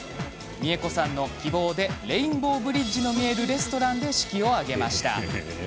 美恵子さんの希望でレインボーブリッジの見えるレストランで式を挙げました。